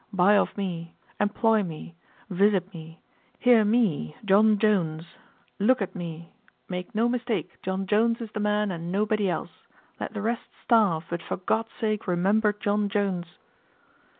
Buy of me. Employ me. Visit me. Hear me, John Jones. Look at me. Make no mistake, John Jones is the man and nobody else. Let the rest starve, but for God's sake remember John Jones!"